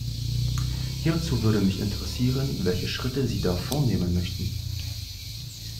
Hierzu würde mich interessieren, welche Schritte Sie da vornehmen möchten.